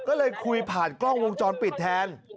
ก็เลยคุยผ่านกล้องวงจรปิดแทน